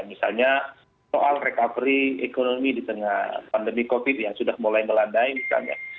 misalnya soal recovery ekonomi di tengah pandemi covid yang sudah mulai melandai misalnya